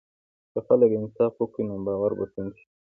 که خلک انصاف وکړي، نو باور به ټینګ شي.